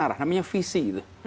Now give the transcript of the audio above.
arah namanya visi